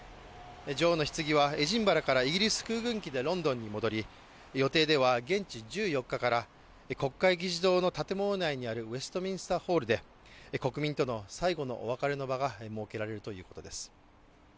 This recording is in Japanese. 女王のひつぎはエジンバラからイギリス空軍機でロンドンに戻り、予定では現地１４日から国会議事堂の建物内にあるウェストミンスターホールで国民との最後のお別れの場が設けられるということです。